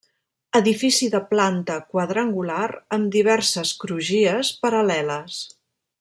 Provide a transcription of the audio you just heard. Edifici de planta quadrangular amb diverses crugies paral·leles.